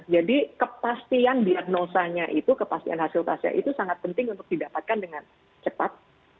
jadi kepastian diagnosanya itu kepastian hasil testnya itu sangat penting untuk didapatkan dengan cepat